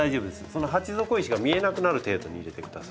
その鉢底石が見えなくなる程度に入れてください。